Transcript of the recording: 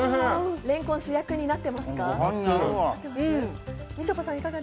れんこん主役になっていますか？